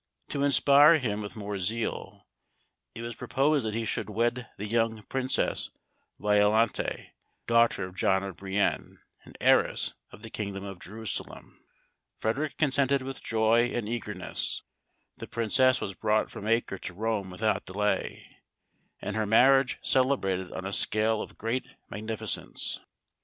To inspire him with more zeal, it was proposed that he should wed the young Princess Violante, daughter of John of Brienne, and heiress of the kingdom of Jerusalem. Frederic consented with joy and eagerness. The princess was brought from Acre to Rome without delay, and her marriage celebrated on a scale of great magnificence.